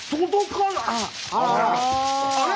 あれ？